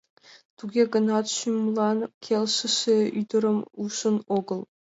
Туге гынат шӱмлан келшыше ӱдырым ужын огыл.